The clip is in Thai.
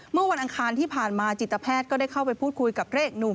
เมื่อวันอังคารที่ผ่านมาจิตแพทย์ก็ได้เข้าไปพูดคุยกับพระเอกหนุ่ม